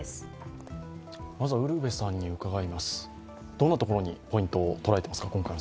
どんなところにポイントを捉えていますか？